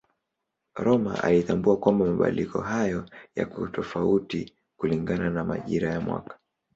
Rømer alitambua kwamba mabadiliko haya yako tofauti kulingana na majira ya mwaka.